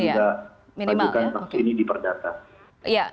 dan kami juga lanjutkan ini di perdata